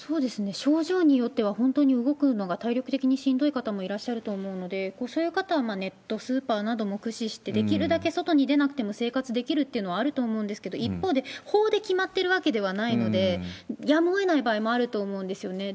症状によっては、本当に動くのが体力的にしんどい方もいらっしゃると思うので、そういう方はネットスーパーなども駆使して、できるだけ外に出なくても生活できるってのはあると思うんですけれども、一方で法で決まってるわけではないので、やむをえない場合もあると思うんですよね。